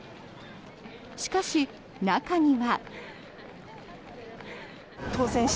しかし、中には。